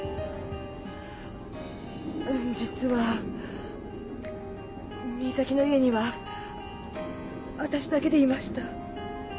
実は三崎の家には私だけでいました。